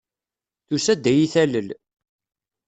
Tusa-d ad iyi-talel.